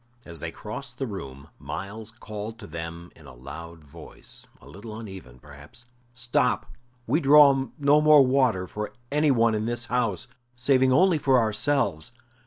As they crossed the room Myles called to them in a loud voice a little uneven, perhaps: "Stop! We draw no more water for any one in this house, saving only for ourselves.